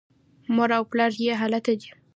مور او پلار یې هلته دي.